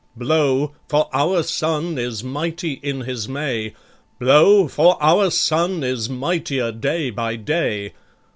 "Blow, for our Sun is mighty in his May! Blow, for our Sun is mightier day by day!